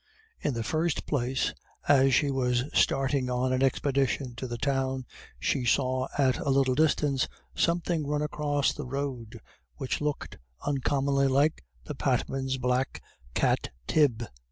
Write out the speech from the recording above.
In the first place, as she was starting on an expedition to the Town she saw at a little distance something run across the road which looked uncommonly like the Patmans' black cat Tib.